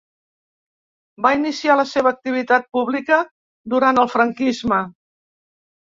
Va iniciar la seva activitat pública durant el franquisme.